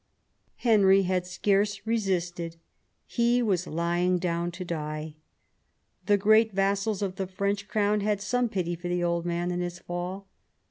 Henry had scarce resisted : he was lying down to die. The great vassals of the French crown had some pity for the old man in his fall.